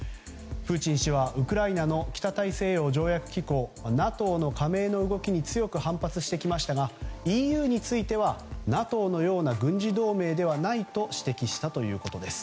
プーチン氏はウクライナの北大西洋条約機構・ＮＡＴＯの加盟に強く反発してきましたがＥＵについてはＮＡＴＯのような軍事同盟ではないと指摘したということです。